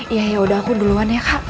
ya yaudah aku duluan ya kak